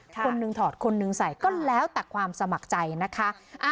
คนหนึ่งถอดคนหนึ่งใส่ก็แล้วแต่ความสมัครใจนะคะ